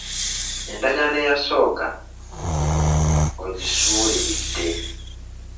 Endagaano eyasooka ogisuuliridde.